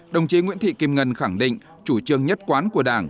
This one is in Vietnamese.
đồng chí nguyễn thị kim ngân khẳng định chủ trương nhất quán của đảng